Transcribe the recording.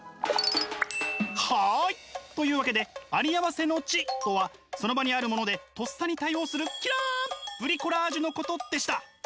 はい！という訳で「ありあわせの知」とはその場にあるものでとっさに対応する、キラン「ブリコーラジュ」のことでした。